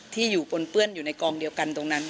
ที่อยู่ปนเปื้อนอยู่ในกองเดียวกันตรงนั้น